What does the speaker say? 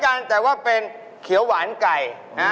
ถามด้วยค่ะว่าภายด้วย๓แบบนี้